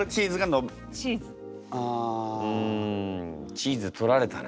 チーズ取られたな。